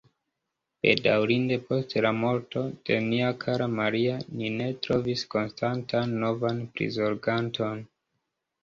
Bedaŭrinde post la morto de nia kara Maria ni ne trovis konstantan novan prizorganton.